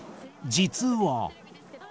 実は。